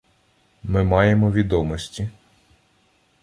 Ми маємо відомості